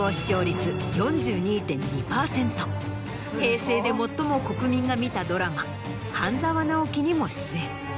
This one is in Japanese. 平成で最も国民が見たドラマ『半沢直樹』にも出演。